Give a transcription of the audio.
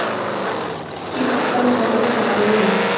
سپي د خپل مالک تابع وي.